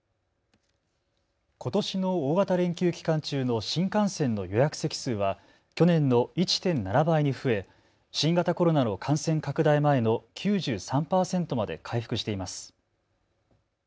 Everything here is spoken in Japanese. ことしの大型連休期間中の新幹線の予約席数は去年の１．７倍に増え新型コロナの感染拡大前の９３％まで回復しています。